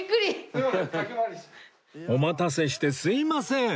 お待たせしてすみません